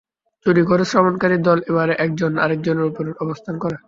চুরি করে শ্রবণকারী দল এবারে একজন আরেকজনের উপর অবস্থান করে।